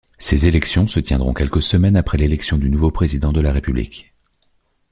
Ces élections se tiendront quelques semaines après l'élection du nouveau président de la République.